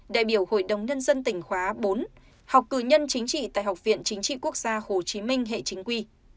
đại biểu hội đồng nhân dân tỉnh khóa bốn học cử nhân chính trị tại học viện chính trị quốc gia hồ chí minh hệ chính quy